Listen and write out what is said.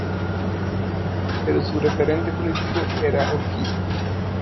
Pero su referente político era Urquiza.